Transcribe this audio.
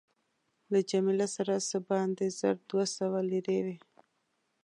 له جميله سره څه باندې زر دوه سوه لیرې وې.